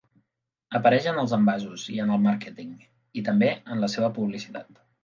Apareix en els envasos i en el màrqueting, i també en la seva publicitat.